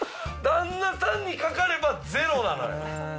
旦那さんにかかればゼロなのよ。